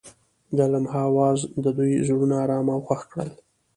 د لمحه اواز د دوی زړونه ارامه او خوښ کړل.